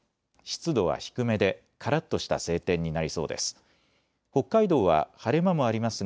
湿度は低めで、からっとした晴天になりそうです。